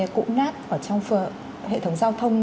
cũ nát ở trong hệ thống giao thông